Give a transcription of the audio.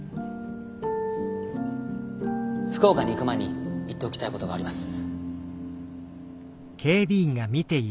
福岡に行く前に言っておきたいことがあります。